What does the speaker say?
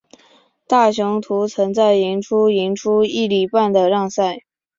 大雄图曾在赢出赢出一哩半的让赛。